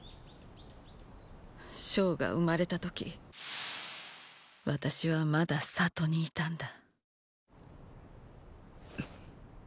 象が生まれた時私はまだ里にいたんだ。